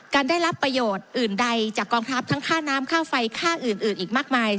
ได้รับประโยชน์อื่นใดจากกองทัพทั้งค่าน้ำค่าไฟค่าอื่นอีกมากมาย